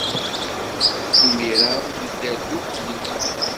Imir-a, nedder ddukkli.